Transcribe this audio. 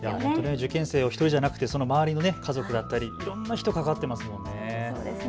受験生は１人じゃなくてその周りの家族だったりいろんな人が関わっていますもんね。